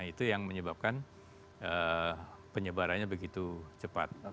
itu yang menyebabkan penyebarannya begitu cepat